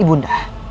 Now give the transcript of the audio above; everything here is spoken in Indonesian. ibu nda akan sakit